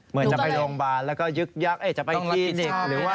เหมือนจะไปโรงพยาบาลแล้วก็ยึกยักษ์จะไปที่เด็ก